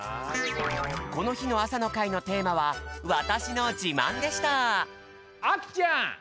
このひの朝の会のテーマは「わたしのじまん」でしたあきちゃん。